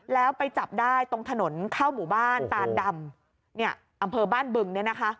แล้วไปจับได้ตรงถนนเข้ามู่บ้านตานดำอำเภอบ้านบึง